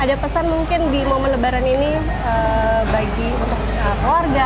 ada pesan mungkin di momen lebaran ini bagi untuk keluarga